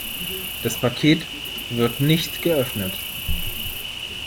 Das Paket wird nicht geöffnet.